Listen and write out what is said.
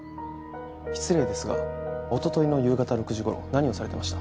失礼ですがおとといの夕方６時頃何をされてました？